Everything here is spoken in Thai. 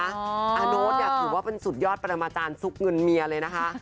อาโน๊ตเนี่ยถือว่าเป็นสุดยอดปรมาจารย์ซุกเงินเมียเลยนะคะ